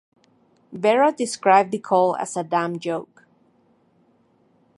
Berra described the call as a "damn joke".